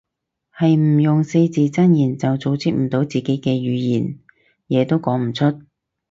係唔用四字真言就組織唔到自己嘅語言，嘢都講唔出